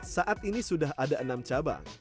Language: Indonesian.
saat ini sudah ada enam cabang